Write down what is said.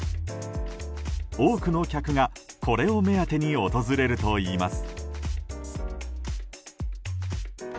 多くの客が、これを目当てに訪れるといいます。